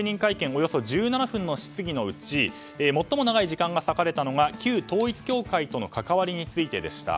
およそ１７分の質疑のうち最も長い時間がされたのは旧統一教会との関わりについてでした。